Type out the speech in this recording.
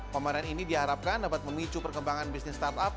pameran ini diharapkan dapat memicu perkembangan bisnis startup